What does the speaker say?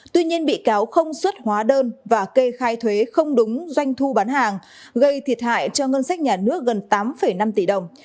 tuy nhiên bị cáo không xuất hóa đơn và kê khai thuế không đúng doanh thu bán hàng gây thiệt hại cho ngân sách nhà nước gần tám năm tỷ đồng